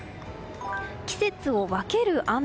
季節を分ける雨。